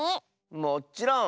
もっちろん！